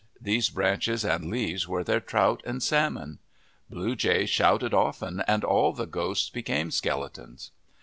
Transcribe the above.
These branches and leaves were their trout and salmon. Blue Jay shouted often and all the ghosts became skeletons.